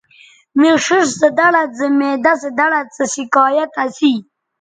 مے ݜیئݜ سو دڑد زو معدہ سو دڑد سو شکایت اسی